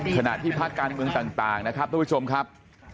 ขณะที่ภาคการเมืองต่างนะครับทุกผู้ชมครับ